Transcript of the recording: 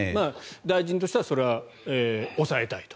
大臣としてはそれは抑えたいと。